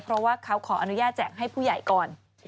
เพราะว่าเขาขออนุญาตแจกให้ผู้ใหญ่ก่อน